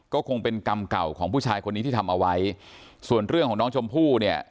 ก็คงเป็นกรรมเก่าของผู้ชายคนนี้ที่ทำเอาไว้ส่วนเรื่องของน้องชมพู่เนี่ย